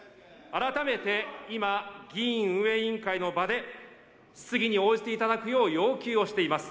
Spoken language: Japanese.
改めて今、議院運営委員会の場で、質疑に応じていただくよう要求をしています。